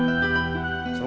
eh sih mau ketemu